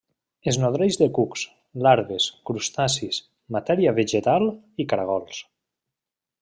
Es nodreix de cucs, larves, crustacis, matèria vegetal i caragols.